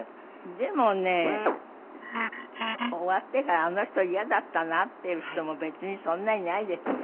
でもね終わってからあの人嫌だったなっていう人も別にそんないないですね。